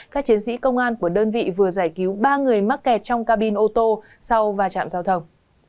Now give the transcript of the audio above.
các chiến sĩ công an của đơn vị vừa giải cứu ba người mắc kẹt trong cabin ô tô sau va chạm giao thông